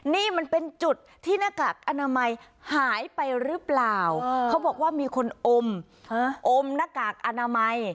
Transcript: นี่มันเป็นจุดที่หน้ากากอนามัยหายไปหรือเปล่าเขาบอกว่ามีคนอมอมหน้ากากอนามัย